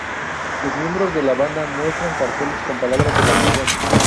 Los miembros de la banda muestran carteles con palabras de la canción.